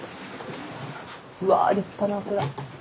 うわ立派なお寺。